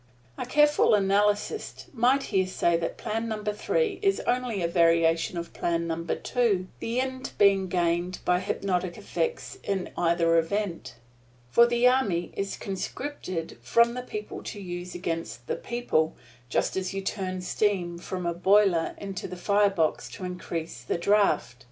A careful analyst might here say that Plan Number Three is only a variation of Plan Number Two the end being gained by hypnotic effects in either event, for the army is conscripted from the people to use against the people, just as you turn steam from a boiler into the fire box to increase the draft.